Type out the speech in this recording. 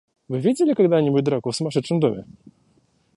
Вы видели когда-нибудь драку в сумасшедшем доме?